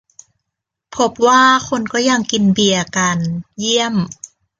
พบว่าคนก็ยังกินเบียร์กัน เยี่ยม !